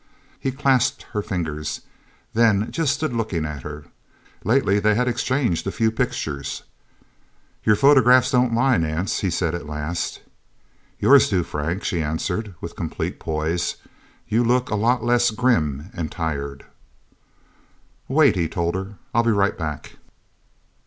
He clasped her fingers, then just stood looking at her. Lately, they had exchanged a few pictures. "Your photographs don't lie, Nance," he said at last. "Yours do, Frank," she answered with complete poise. "You look a lot less grim and tired." "Wait," he told her. "I'll be right back..."